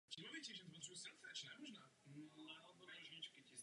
V současné době je i zastupitelem Zlínského kraje.